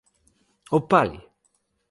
o pali!